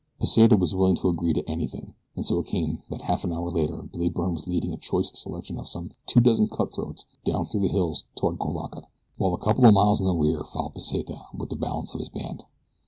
Pesita was willing to agree to anything, and so it came that half an hour later Billy Byrne was leading a choice selection of some two dozen cutthroats down through the hills toward Cuivaca. While a couple of miles in the rear followed Pesita with the balance of his band.